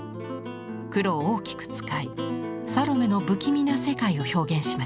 黒を大きく使い「サロメ」の不気味な世界を表現しました。